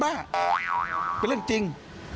แล้วพา๒ล้านจริงไหมคะถ้าไม่ใช่ของจริง